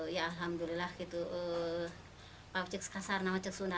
ya alhamdulillah pak ceks kasar pak ceks sunda